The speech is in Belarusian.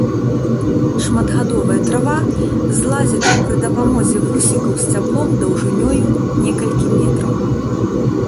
Шматгадовая трава з лазячым пры дапамозе вусікаў сцяблом даўжынёю некалькі метраў.